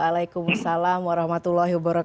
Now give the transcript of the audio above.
waalaikumsalam wr wb